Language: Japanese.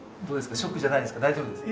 ショックじゃないですか？